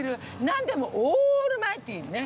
なんでもオールマイティーにね。